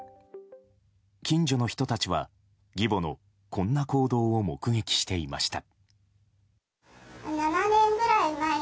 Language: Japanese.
近所の人たちは義母のこんな行動を目撃していました。